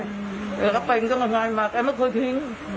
แล้วก็เป็นก็มันง่ายมากแต่มันคือทิ้ง